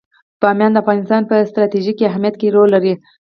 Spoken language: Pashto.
بامیان د افغانستان په ستراتیژیک اهمیت کې رول لري.